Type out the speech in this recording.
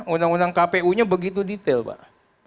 undang undang kpu nya begitu detail pak